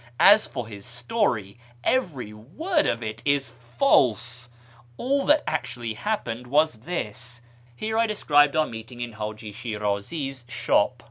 As for his story, every word of it is false; all that actually hap pened was this " (here I described our meeting in Haji Shiri'izi's shop).